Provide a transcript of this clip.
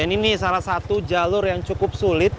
ini nih salah satu jalur yang cukup sulit